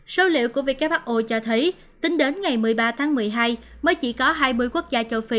số liệu của who cho thấy tính đến ngày một mươi ba tháng một mươi hai mới chỉ có hai mươi quốc gia châu phi